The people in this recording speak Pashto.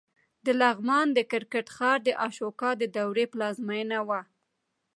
د لغمان د کرکټ ښار د اشوکا د دورې پلازمېنه وه